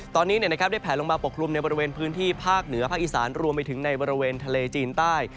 ตอนนี้ได้แผลลงมาปกคลุมในบริเวณพื้นที่ภาคเหนือภาคอีสานรวมไปถึงในบริเวณทะเลจีนใต้